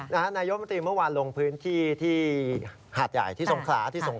นายกรัฐมนตรีเมื่อวานลงพื้นที่หาดใหญ่ที่สงคราน